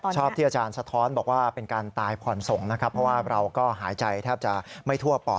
ชอบที่อาจารย์สะท้อนบอกว่าเป็นการตายผ่อนสมนะค่ะ